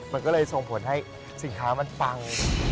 มันก็เลยส่งผลให้สินค้ามันปัง